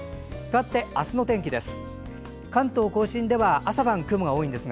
かわって、明日の天気です。